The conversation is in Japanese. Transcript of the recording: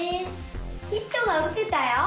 ヒットがうてたよ。